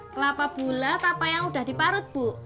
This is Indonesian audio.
kelapa bula kelapa yang udah diparut bu